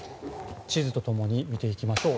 地図とともに見ていきましょう。